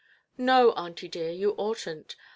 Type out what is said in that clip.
"No, aunty dear, you oughtnʼt.